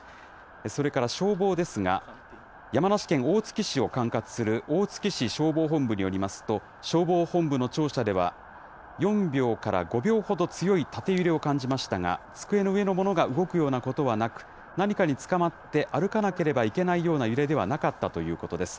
それから消防ですが、山梨県大月市を管轄する大月市消防本部によりますと、消防本部の庁舎では、４秒から５秒ほど、強い縦揺れを感じましたが、机の上のものが動くようなことはなく、何かにつかまって歩かなければいけないような揺れではなかったということです。